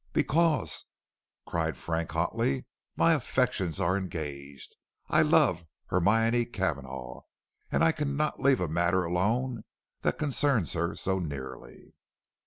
"Because," cried Frank, hotly, "my affections are engaged. I love Hermione Cavanagh, and I cannot leave a matter alone that concerns her so nearly."